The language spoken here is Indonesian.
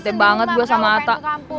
bete banget gue sama ata